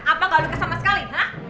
apa gak luka sama sekali